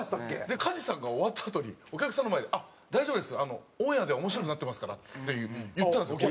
で加地さんが終わったあとにお客さんの前で「大丈夫です。オンエアでは面白くなってますから」って言ったんですよ。